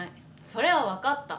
それは分かった。